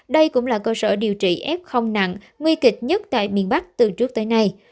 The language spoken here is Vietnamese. đây cũng là cơ sở điều trị f nặng nguy kịch nhất tại miền bắc từ trước tới nay